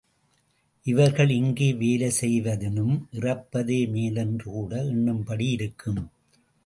இவர்கள் இங்கு வேலை செய்வதினும் இறப்பதே மேல் என்று கூட எண்ணும்படி இருக்கும்.